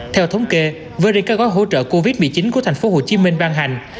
theo thống kê với riêng các gói hỗ trợ covid một mươi chín của thành phố hồ chí minh ban hành